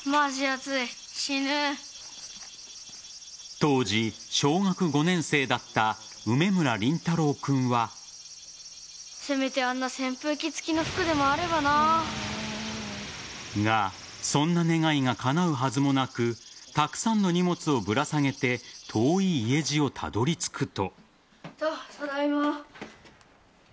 当時、小学５年生だった梅村凛太郎君は。が、そんな願いがかなうはずもなくたくさんの荷物をぶら下げて遠い家路を辿り着くと。